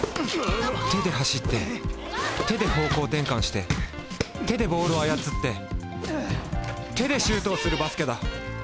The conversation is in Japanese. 手で走って手で方向転換して手でボールを操って手でシュートをするバスケだ！